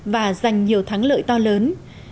và giành nhiều thắng lợi to lớn